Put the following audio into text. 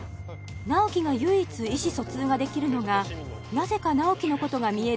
直木が唯一意思疎通ができるのがなぜか直木のことが見える